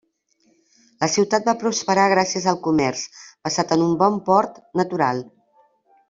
La ciutat va prosperar gràcies al comerç basat en un bon port natural.